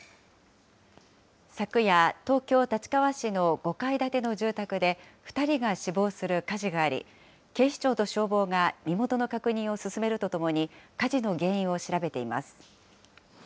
昨夜、東京・立川市の５階建ての住宅で、２人が死亡する火事があり、警視庁と消防が身元の確認を進めるとともに、火事の原因を調べています。